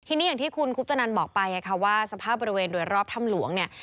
ทีนี้อย่างที่คุณคุปตนันบอกไปไงค่ะว่าสภาพบริเวณโดยรอบถ้ำหลวงเนี่ย